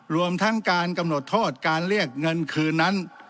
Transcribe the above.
รวมทั้งการกำหนดโทษการเรียกเงินคืนนั้น